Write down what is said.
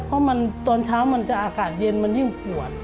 เพราะมันตอนเช้ามันจะอากาศเย็นมันยิ่งปวด